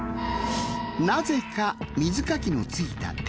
なぜか水かきのついた手。